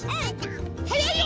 はやいよ！